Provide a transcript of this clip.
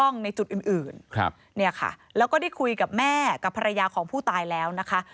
ในจุดอื่นอื่นครับเนี่ยค่ะแล้วก็ได้คุยกับแม่กับภรรยาของผู้ตายแล้วนะคะ